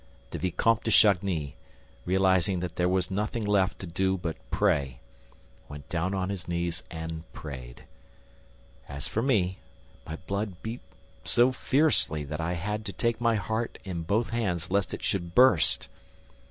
The Vicomte de Chagny, realizing that there was nothing left to do but pray, went down on his knees and prayed. As for me, my blood beat so fiercely that I had to take my heart in both hands, lest it should burst.